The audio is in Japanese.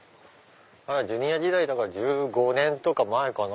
まだ「Ｊｒ．」時代だから１５年とか前かな。